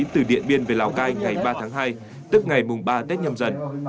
từ điện biên về lào cai ngày ba tháng hai tức ngày mùng ba tết nhâm dần